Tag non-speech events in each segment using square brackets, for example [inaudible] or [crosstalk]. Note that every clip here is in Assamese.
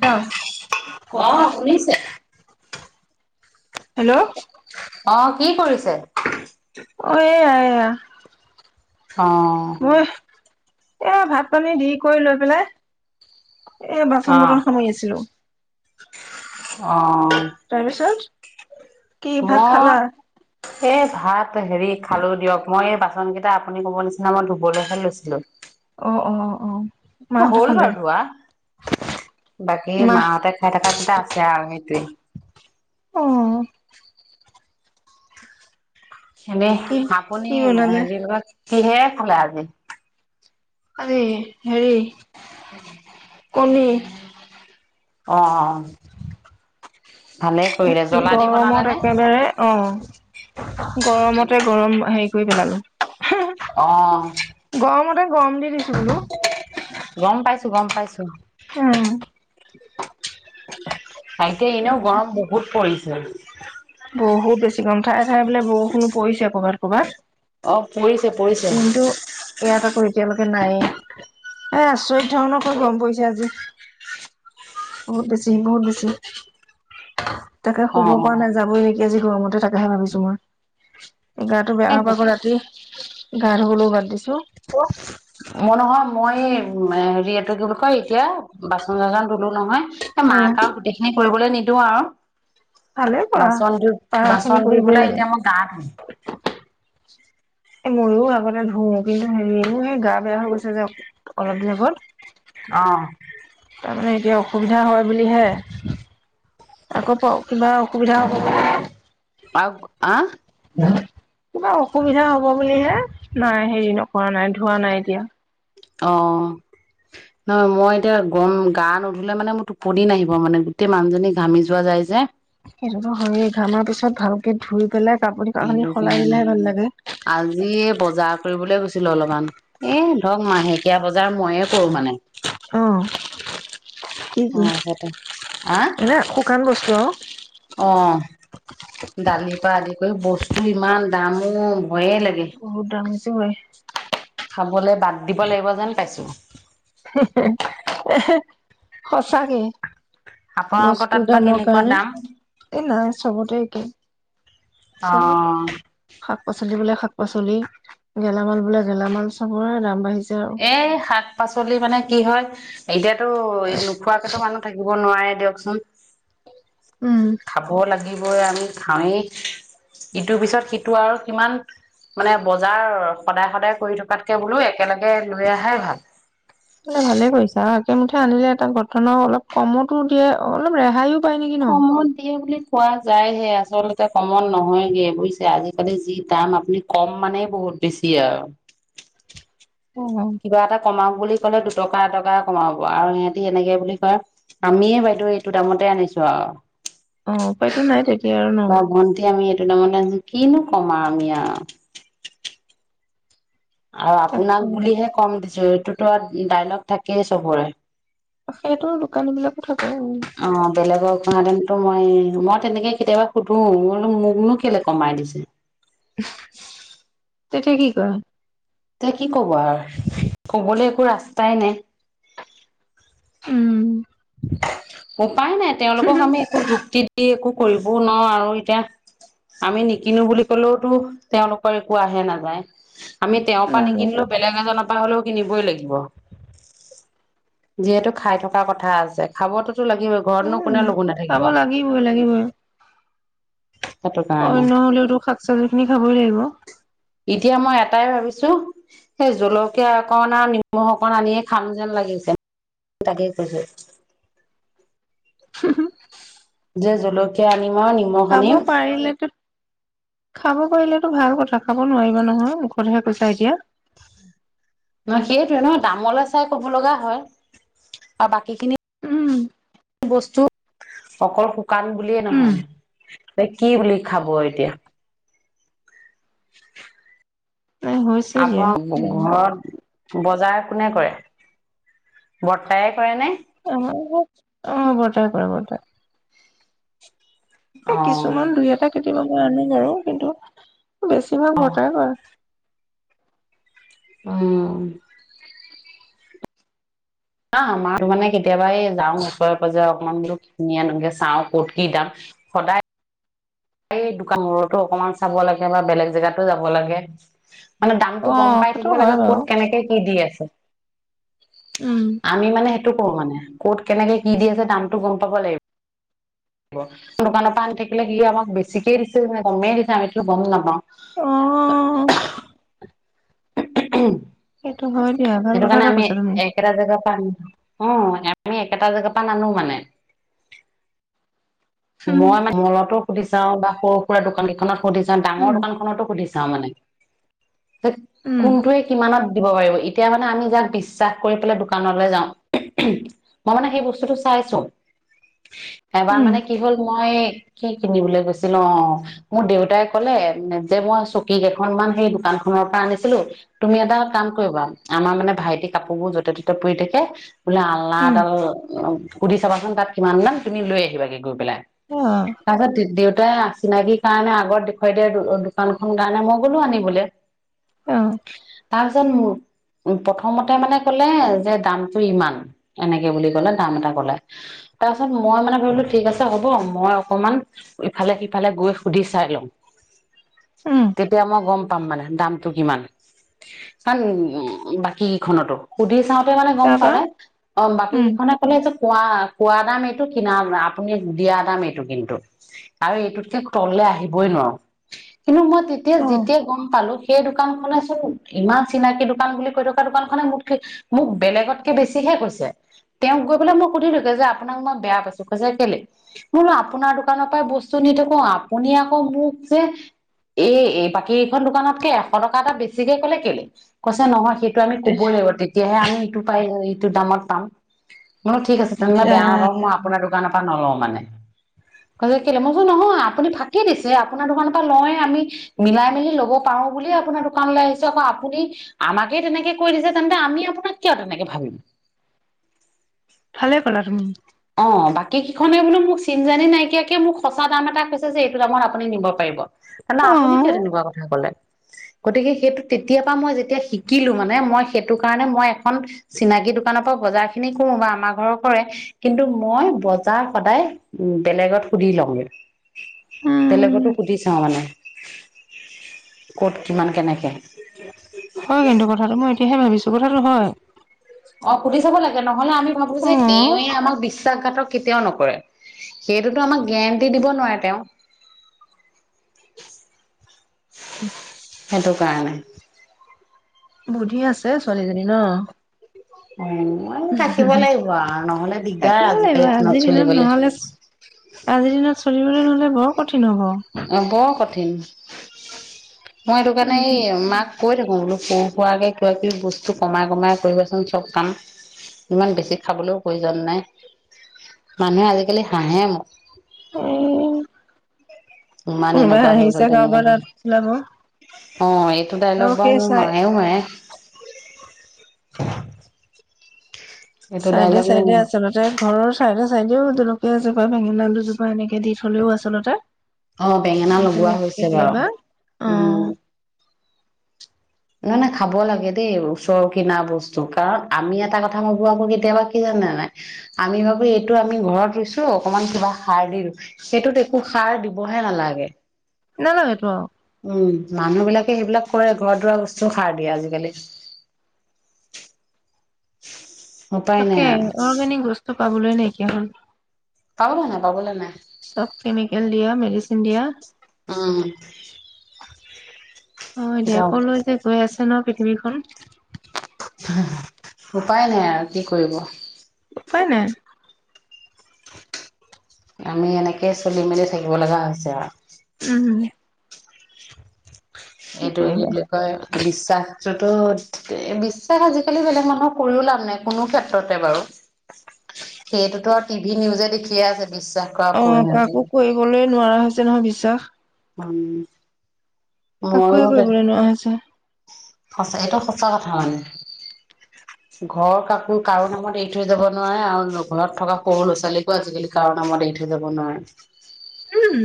দহ অহ কমলা খাইছোঁ। শুনিছে? হেল্ল' অ কি কৰিছে? অ এয়া এ। এয়া অহ মই এ ভাত পানী দি কৰি লৈ পেলাই এ বাচন বৰ্তন সামৰি আছিলো। অ তাৰপিছত? কি ভাত মই খালা? এই ভাত হেৰি খালোঁ দিয়ক মই এই বাচনকেইটা আপুনি ক'ব নিচিনা মই ধুবলৈহে লৈছিলোঁ। অ অ অ অ মাহঁতে হ'ল খালে বাৰু ধোৱা বাকী মাহ মাহতে খাই থকা কেইটা আছে আৰু সেইটোৱে। অ এনেই কি আপুনি কি বনালে হেৰি লগত কিহে খালা আজি? এই হেৰি কণী। অ অ অ গৰমত একেবাৰে অ গৰমতে গৰম হেৰি কৰি পেলালো অহ গৰমতে গৰম দি দিছো বোলো। আছো উম তাইতে এনেও গৰম বহুত পৰিছে। [unintelligible] বহুত বেছি গৰম ঠায়ে ঠায়ে বোলে বৰষুণো পৰিছে ক'ৰবাত। কবাত অ পৰিছে পৰিছে। ইয়াত আকৌ এতিয়ালৈকে নাই এ আচৰিত ধৰণৰকৈ গম পৰিছে আজি বহুত বেছি বহুত বেছি। তাকে শুব অহ পৰা নাই। এই যি গৰমতে থাকাহে ভাবিছো মই। গাটো বেয়া হব এই আকৌ ৰাতি। গা ধুবলৈও বাদ দিছো। অ মই নহয় মই এই হেৰি এইটো কি বুলি কয় এতিয়া বাচন চাচন ধুলো নহয়। এ মাক আৰু গোটেইখিনি কৰিবলৈ নিদ [unintelligible] ভালেই পৰা, পাৰা খিনি বাচন ধুই কৰিবই পেলাই লাগে। এতিয়া মই গা ধুম এ ময়ো আগতে ধুও কিন্তু হেৰি সেই গা বেয়া হৈ গৈছে যে অলপ দিন আগত অ তাৰমানে এতিয়া অসুবিধা হয় বুলিহে আকৌ প কিবা অসুবিধা [inaudible] [unintelligible] আহ কিবা অসুবিধা হব বুলিহে। নাই হেৰি নকৰা নাই ধোৱা নাই এতিয়া। অ নহ মই এতিয়া গম গা নুধুলে মানে মোৰ টোপনি নাহিব মানে গোটেই মানুহজনী ঘামি যোৱা যায় যে। সেইটোতো হয় ঘামাৰ পিছত ভালকে ধুই পেলাই কাপোৰ কানি সেইটো সলাই কাৰণে দিলেহে ভাল লাগে। আজি বজাৰ কৰিবলৈ গৈছে ছিলো অলপমান, এ ধৰক মাহেকীয়া বজাৰ ময়ে কৰো মানে। অ। কি অ কি সেইটোই আহ এনে শুকান বস্তু আৰু। অ দালিৰ পৰা আদি কৰি বস্তু ইমান দামো ভয়ে লাগে। টোৱে খাবলৈ বাদ দিব লাগিব যেন পাইছোঁ। হিঁ হিঁ, এহে সঁচাকে। আপোনালোকৰ বস্তু তাত বা দামৰ কেনেকুৱা কাৰনে, দাম? এই নাই চবতে একেই চবতে অ' শাক পাচলি বোলে শাক পাচলি, গেলামাল বোলে গেলামাল চবৰে দাম বাঢ়িছে আৰু। এ শাক পাচলি মানে কি হয় [unintelligible] তো এই নোখোৱাকেতো মানুহ থাকিব নোৱাৰে দিয়কচোন। উম। এইবোৰ আমি খাওঁৱেই ইটোৰ পিছত সিটো আৰু কিমান মানে বজাৰ সদায়-সদায় কৰি থকাতকে বোলো একেলগে লৈ আহাই ভাল। মানে ভালে কৰিছা আৰু একে মুঠে আনিলে এটা ঘটনাও অলপ কমতো দিয়ে অলপ ৰেহাইও পায় নেকি ন। কমত দিয়ে বুলি কোৱা যায়হে আচলতে কমন নহয়গে বুজিছে আজিকালি যি দাম আপুনি কম মানেই বহুত বেছি আৰু অ'। কিবা এটা কমাও বুলি কলে দুটকা এটকা কমাব আৰু সিহতি এনেকে বুলি কয় আমিয়ে বাইদেউ এইটো দামতে আনিছো আৰু। অ', উপায়তো নাই তেতিয়া আৰু ন। বা, ভন্টি আমি [unintelligible] কিনো কম আৰ আমি আৰু আৰু তাকে। আপোনাক বুলিহে কম দি জইতোতো [unintelligible] আৰু দাইলগ থাকেই চবৰে। সেইহটো দোকানী বিলাকো থাকে আৰু। নো মইে মই তেনেকে কেতিয়াবা সুধো বোলো মোকনো কেলে কমাই দিছে? তেতিয়া কি কয়? এতিয়া কি ক'ব আৰু কবলৈ একো ৰাস্তাই নাই। উম, ক [unintelligible] উপায় নাই তেওঁলোকক আমি একো যুক্তি সেই একো কৰিবও নোৱাৰ আৰু এতিয়া আমি নিকিনো বুলি কলেওতো তেওঁলোকৰ একো আহে নাযায়। আমি তেওঁৰ পৰা নাযায় নিকিনিলো বেলেগ এজনত হ'লেও কিনিবই লাগিব যিহেতু খাই থকা কথা দো আছে খাবতো [inaudible] লাগিব ঘৰতনো কোনে উম, লগো নাথাকিব। খাব সেইটো কাৰণে অইন হলেওতো শাক চবজী খিনি খাবই লাগিব। এতিয়া মই এটাই ভাবিছো সেই জলকীয়া অকন আৰু নিম অকন আনিয়ে খাম যেন লাগিছে তাকে কৈছো। হ, [unintelligible] যে জলকীয়া মই নিমখ-নিমখ [inaudible] পাৰিলেতো খাব পাৰিলেটো ভাল কথা। খাব নোৱাৰিবা নহয় মুখতহে কৈছা এতিয়া। নহ সেইটোয়ে নহয় দামলে চাই ক'ব লগা হয় আৰু বাকী খিনি উম, বস্তু অকল কান বুলিয়ে উম, নহয় ত কি বুলি খাব এতিয়া। [inaudible] এ হৈছে আপ দিয়া। ঘৰ [inaudible] বজাৰ কোনে কৰে বৰ্তাই কৰে নে? অ' বৰ্তাই কৰে বৰ্তাই। এ অ কিছুমান দুই এটা কেতিয়াবা মই আনো বাৰু কিন্তু বেছি মা বৰ্তাই কৰে। অ' আহ আমাৰ মানে কেতিয়াবাই যাঁ‌ও। ওচৰে পাজৰে অকমান এনকে চাওঁ কত কি দাম সদায় এই দোকানবোৰো অকমান চাব লাগে বা বেলেগ জেগাতো যাব লাগে। মানে দামতটো গম অ', পাই সেইটো থাকিব হয় লাগে বাৰু ক'ত কেনেকে কি দি আছে। উম, আমি মানে এইটো কৰ মানে ক'ত কেনেকে কি দি আছে দামতটো গম পাব লাগিব। দোকানৰ পৰা আনি থাকিলে কি আমাক বেছিকে দিছে নে কমে দিছে আমিতো গম নাপওঁ। অ', [unintelligible] সেইটো হয় দিয়া ভাল সেইটো কথা কাৰণে এটা আমি কৈছা তুমি একেটা জেগাৰপা আনো। অ আমি একেটা জেগাৰ পৰা নানো মানে। উম, মই [unintelligible] সুধি চাও বা সৰু সুৰা দোকান কেইখনত সুধিচাম ডাঙৰ উম, দোকানখনতো সুধিছ তাৰমানে। [unintelligible] উম, কোনটোৱে কিমানত দিব পাৰিব এতিয়া মানে আমি যাক বিশ্বাস কৰি পেলাই দোকানলৈ যাওঁ। মই মানে সেই বস্তুটো চাইছো। এবাৰ উম। মানে কি হ'ল মই কি কিনিবলৈ গৈছিলো অ মোৰ দেউতাই কলে যে মই চকী কেইখনমান সেই দোকানখনৰ পৰা আনিছিলো তুমি এটা কাম কৰিবা আমাৰ মানে ভাইটি কাপোৰ বোৰ য'তে ত'তে পৰি থাকে বোলে আলনা উম। এডাল সুধি চাবাচোন তাত কিমান দাম তুমি লৈ আহিবাগে। গৈ পেলাই। অ', তাৰচত দেউ [unintelligible] চিনাকি কাৰণে আগত দেখুৱাই দিয়া দো-দোকান খন কাৰণে মই গলো আনিবলে। অহ তাৰপিছত ম-প্ৰথমতে মানে কলে যে দামটো ইমান এনেকে বুলি কলে দাম এটা কলে তাৰপিছত মই মানে ভাবিলো ঠিক আছে হ'ব মই অকমান ইফালে সিফালে গৈ সুধি চাই লওঁ। উম, তেতিয়া মই গম পাম মানে দাম টো কিমান? কাৰণ উ বাকীখনতো সুধি চাওঁ। চবেমানে গম তাৰপা পালে অ বাকি উম, কেইখনে কলে যে কোৱা কোৱা দাম এইটো কিনা [unintelligible] আপুনি দিয়া দাম এইটো কিন্তু আৰু এইটোতকে তললে আহিবই নোৱাৰো। কিন্তু মই তেতিয়া অ', যেতিয়াই গম পালো এই দোকানখনে চোন ইমান চিনাকি দোকান বুলি কৈ থকা দোকান খনে মোতকে মোক বেলেগতকে বেছিহে কৈছে। তেওঁক গৈ পেলাই মই সুধিলোগে যে আপোনাক মই বেয়া পাইছো। কৈছে কেলে, বোলো আপোনাৰ দোকানৰ পাই বস্তু নি থাকো আপুনি আকৌ মোক যে এই এই বাকীখন দোকানতকে এশ টকা এটা বেছিকে কলে কেলে? কৈছে নহয় সেই তো আমি ক'বই লাগিব তেতিয়াহে আমি ইটো পাই [unintelligible] এইটো দামত পাম। বোলো ঠিক আছে তুমিও যা বেয়া নাপাব মই আপোনাৰ দোকানত নলও মানে। কৈছে কেলে মই কৈছোঁ নহয় আপুনি ফাকি দিছে আপোনাৰ দোকানৰ পৰা লওঁয়ে আমি মিলাই মেলি লব পাৰো বুলিয়ে আপোনাৰ দোকানলৈ আহিছো আকৌ আপুনি আমাকে তেনেকে কৈ দিছে তেন্তে আমি আপোনাক কিয় তেনেকে ভাবিম। ভালে পালা তুমি। অ বাকী কেইখনে বোলো মোক চিনজানি নাইকিয়াকে মোক সঁচা দাম এটা কৈছে যে এইটো দামত আপুনি নিব পাৰিব। না অ', আপুনি কিয় তেনেকুৱা কথা কলে? গতিকে সেইটো তেতিয় পৰা মই যেতিয়া শিকিলো মানে মই সেইটো কাৰণে মই এখন চিনাকি দোকানৰ পৰা বজাৰ খিনি কৰো বা আমাৰ ঘৰৰ কৰে। কিন্তু মই বজাৰ সদায় বেলেগত সুধি লওঁগে। উম, বেলেগতো সুধি চাওঁ মানে। ক'ত কিমান কেনেকে? হয় কিন্তু কথাটো, মই এতিয়াহে ভাবিছো কথাটো হয়। অ' সুধি চাব লাগে ন! নহ'লে আমি ভাবো যে অ', তেওঁৱে আমাক বিছ বিশ্বাসঘাতক কেতিয়াও নকৰে। সেইটোতো আমাক গেৰেণ্টি দিব নোৱাৰে তেওঁ। সেইটো কাৰণে বুদ্ধি আছে ছোৱালীজনীৰ ন? অ' থাকিব লাগিব আৰু নহ'লে দিগদাৰ থাকিব লাগিব আজিকালিৰ আজিৰ দিনত চলিবলে। নহ'লে আজিৰ দিনত চলিবলৈ নহ'লে বৰ কথা [unintelligible] ঠনি [inaudible] মই এইটো কাৰণে উম, এই মাক কৈ থাকো বোলো সৰু সুুৱাকে কিবা কিবি বস্তু কমাই কমাই কৰিবচোন চব কাম। ইমান বেছি খাবলৈও প্ৰয়োজন নাই। মানুহে আজিকালি হাঁহে মোক। উ ইমান এনেকুৱা হৈ গল তেনেকুৱা হৈ ওলাব অ' এইটো আৰু ডাইলগ বাৰু সেই মোৰ চাই মায়ো মাৰে। [inaudible] এইটো ডাইলগ মোৰ চাইদে-চাইদে মা আচলতে ঘৰৰ চাইডে-চাইডেও দুলকিয়া এজোপা, বেঙেনা দুুজোপা এনেকে দি থ'লেও আচলতে। অ' বেঙেনা লগোৱা তেনেকে হৈছে বাৰু। কেতিয়াবা অ উম। নহয় নহয় খাব লাগে দেই ওচৰ কিনা বস্তু কাৰণ আমি এটা কথা ভাবো আ মোৰ কেতিয়াবা কি জানে নাই আমি ভাবো এইটো আমি ঘৰত ৰুইছো অকমান কিবা সাৰ দিলো সেইটোত একো সাৰ দিবহে নালাগে। নালাগ এইটো আৰু [inaudible] উম মানুহ বিলাকে সেইবিলাক কৰে। ঘৰ ৰোৱা বস্তু সাৰ দিয়ে আজিকালি। উপায় নাই তাকে আৰু অৰ্গেনিক বস্তু পাব বোলৈ নাইকিয়া হ'ল। পাবলে নাই পাবলে নাই চব কেমিকেল দিয়া, মেডিচিন দিয়া। উম [inaudible] হয় দিয়া ক'লৈ যে গৈ আছে ন পৃথিৱীখন উপায় নাই আৰু কি কৰিব! উপায় নাই। আমি এনেকেই চলি-মেলি থাকিব লগা হৈছে আৰু! উম এইটোৱে কি বুলি কয় বিশ্বাস টোত, বিশ্বাস আজিকালি বেলেগ মানুহক কৰিও লাভ নাই কোনো ক্ষেত্ৰতে বাৰু! সেইটোতো আৰু টিভি নিউজে দেখিয়ে আছে বিশ্ অ' কাকো কৰিবলৈ নোৱাৰা হৈছে। নহয় বিশ্বাস। উম ময়ো কাকোৱে কৰিবলৈ নোৱাৰা হৈছে। সঁচা এইটো সঁচা কথা মানে, ঘৰ কাপোৰ কাৰো নামত এৰি থৈ যাব নোৱাৰে আৰু ঘৰত থকা সৰু ল'ৰা ছোৱালীকো আজিকালি কাৰো নামত এৰি থৈ যাব নোৱাৰে। উম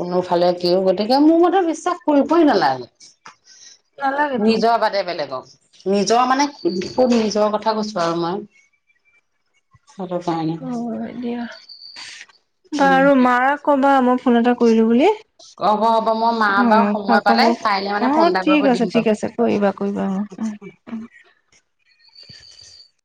কোনোফালে কেও, গতিকে মোৰ মতে বিশ্বাস কৰিবই নালাগে। নালাগেতো নিজৰ বাদে বেলেগক নিজৰ মানে নিজৰ কথা কৈছো আৰু মই আৰু পণ অ দিয়া [unintelligible] বাৰু মাৰ ক'বা মই ফোন এটা কৰিলো বুলি হব হব মই মা অ বাৰু খা সময় পালে খবৰ কাইলে অ মানে ফোন এটা ঠিক কৰিব আছে দিম ঠিক বাৰু আছে কৰিবা কৰিবা অ [inaudible]